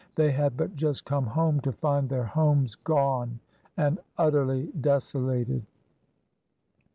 They had but just come home to find their homes gone and utterly desolated.